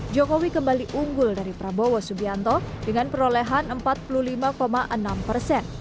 jokowi kembali unggul dari prabowo subianto dengan perolehan empat puluh lima enam persen